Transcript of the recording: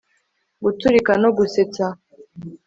guturika no gusetsa